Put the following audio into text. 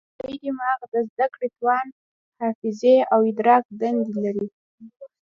لوی دماغ د زده کړې، توان، حافظې او ادراک دندې لري.